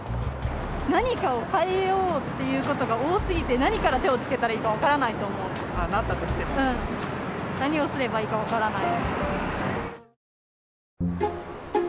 何かを変えようっていうことが多過ぎて、何から手をつけたらいいか分からないと思う、何をすればいいか分からない。